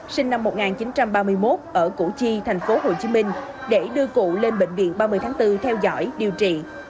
sinh năm một nghìn chín trăm ba mươi một ở củ chi tp hcm để đưa cụ lên bệnh viện ba mươi tháng bốn theo dõi điều trị